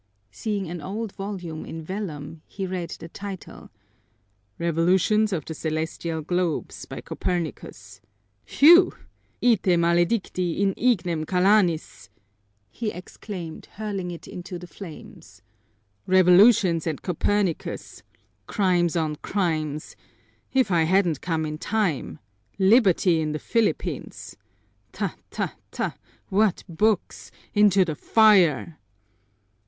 Seeing an old volume in vellum, he read the title, Revolutions of the Celestial Globes, by Copernicus. Whew! "Ite, maledicti, in ignem kalanis!" he exclaimed, hurling it into the flames. "Revolutions and Copernicus! Crimes on crimes! If I hadn't come in time! Liberty in the Philippines! Ta, ta, ta! What books! Into the fire!"